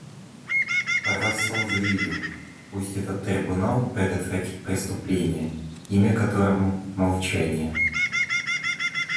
Рассел заявил: «Пусть этот Трибунал предотвратит преступление, имя которому — молчание».